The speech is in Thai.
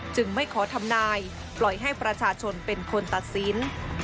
ไม่ขอทำนายปล่อยให้ประชาชนเป็นคนตัดสิน